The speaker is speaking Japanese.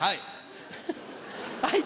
はい。